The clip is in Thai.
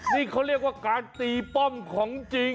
นี่เขาเรียกว่าการตีป้อมของจริง